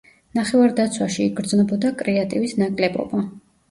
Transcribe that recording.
ნახევარდაცვაში იგრძნობოდა კრეატივის ნაკლებობა.